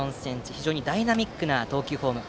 非常にダイナミックな投球フォーム。